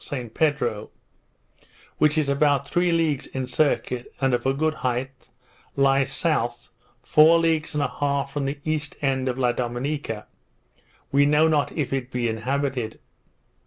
St Pedro, which is about three leagues in circuit, and of a good height, lies south, four leagues and a half from the east end of La Dominica; we know not if it be inhabited.